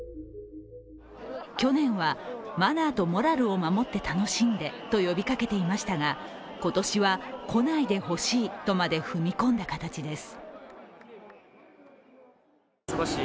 去年はマナーとモラルを守って楽しんでと呼びかけていましたが、今年は来ないでほしいとまで踏み込んだ形です。